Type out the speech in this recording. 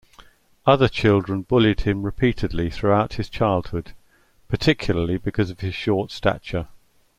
Other children bullied him repeatedly throughout his childhood, particularly because of his short stature.